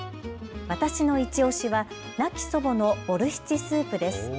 私のいちオシは亡き祖母のボルシチスープです。